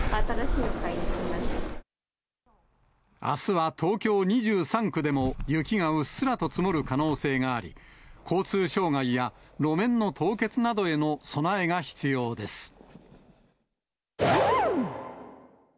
あすは東京２３区でも雪がうっすらと積もる可能性があり、交通障害や路面の凍結などへの備えが必要です。